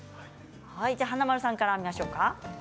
華丸さんから見ましょうか。